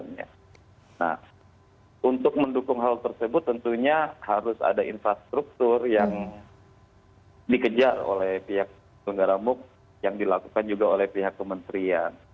nah untuk mendukung hal tersebut tentunya harus ada infrastruktur yang dikejar oleh pihak penyelenggara muk yang dilakukan juga oleh pihak kementerian